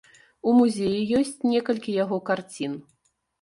У музеі ёсць некалькі яго карцін.